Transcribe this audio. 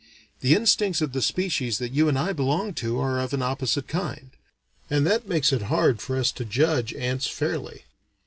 The instincts of the species that you and I belong to are of an opposite kind; and that makes it hard for us to judge ants fairly.